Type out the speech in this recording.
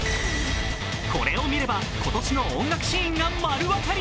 これを見れば今年の音楽シーンが丸わかり。